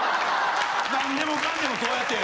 何でもかんでもそうやって。